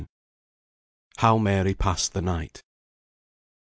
HOW MARY PASSED THE NIGHT.